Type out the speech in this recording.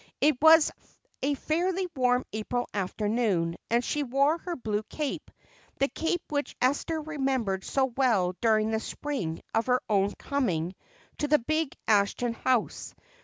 It was a fairly warm April afternoon and she wore her blue cape, the cape which Esther remembered so well during the spring of her own coming to the big Ashton house.